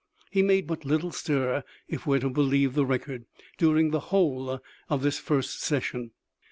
He made but little stir, if we are to believe the record, during the whole of this first session.